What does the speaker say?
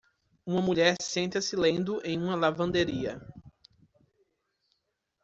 Uma mulher senta-se lendo em uma lavanderia